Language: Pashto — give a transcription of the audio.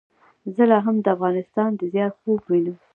زه لا هم د افغانستان د زیان خوب وینم.